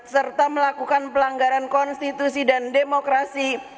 serta melakukan pelanggaran konstitusi dan demokrasi